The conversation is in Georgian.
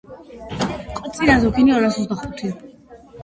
ყვავილები მომცროა, შეკრებილია დატოტვილ ყვავილედად.